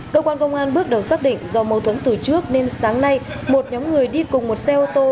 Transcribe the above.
cơ quan công an bước đầu xác định do mâu thuẫn từ trước nên sáng nay một nhóm người đi cùng một xe ô tô